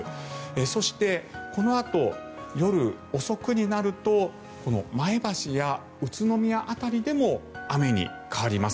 そして、このあと夜遅くになるとこの前橋や宇都宮辺りでも雨に変わります。